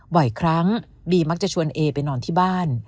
บ่อยครั้งบีมักจะชวนเอไปนอนที่บ้าน